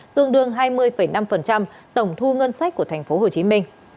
tương đương hai mươi năm tổng thu ngân sách của tp hcm